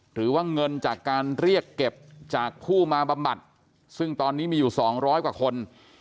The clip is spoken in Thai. หรือว่าเงินจากการเรียกเก็บจากผู้มาบำบัดซึ่งตอนนี้มีอยู่๒๐๐กว่าคน